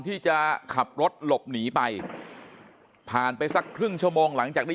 ที่จะขับรถหลบหนีไปผ่านไปสักครึ่งชั่วโมงหลังจากนี้